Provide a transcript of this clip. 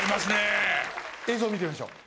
映像見てみましょう。